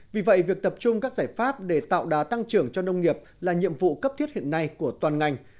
vì vậy việc tập trung các giải pháp để tạo đá tăng trưởng cho nông nghiệp là nhiệm vụ cấp thiết hiện nay của toàn ngành